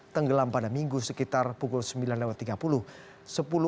tenggelam pada minggu sekitar pukul sembilan tiga puluh